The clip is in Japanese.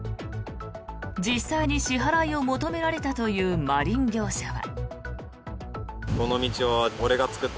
実際に支払いを求められたというマリン業者は。